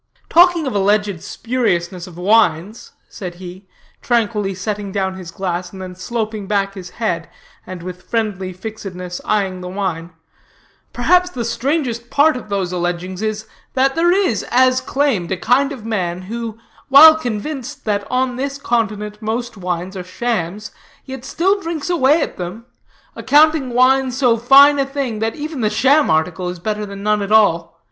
"Talking of alleged spuriousness of wines," said he, tranquilly setting down his glass, and then sloping back his head and with friendly fixedness eying the wine, "perhaps the strangest part of those allegings is, that there is, as claimed, a kind of man who, while convinced that on this continent most wines are shams, yet still drinks away at them; accounting wine so fine a thing, that even the sham article is better than none at all.